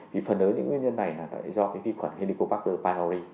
vì phần lớn những nguyên nhân này là do cái vi khuẩn helicobacter pylori